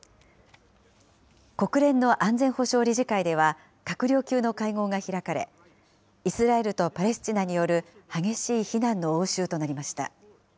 国連の安全保障理事会では、閣僚級の会合が開かれ、イスラエルとパレスチナによる激しい非難の応酬となりました。